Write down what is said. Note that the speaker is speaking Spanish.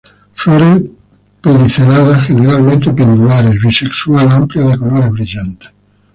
Flores pediceladas, generalmente pendulares, bisexual, amplia de colores brillantes.